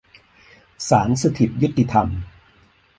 ศาลสถิตยุติธรรม